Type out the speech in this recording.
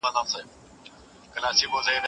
که سیاستوال پرېکړې وکړي ټولنه بدلیږي.